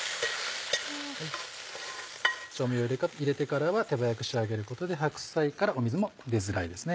調味料入れてからは手早く仕上げることで白菜から水も出づらいですね